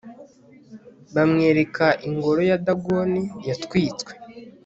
bamwereka ingoro ya dagoni yatwitswe